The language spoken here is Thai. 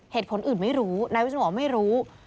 เหตุผลอื่นไม่รู้นายวิศนุบอกไม่รู้